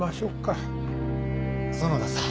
園田さん。